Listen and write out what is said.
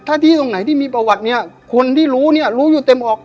ถ้าที่ตรงไหนที่มีประวัติเนี่ยคนที่รู้เนี่ยรู้อยู่เต็มออก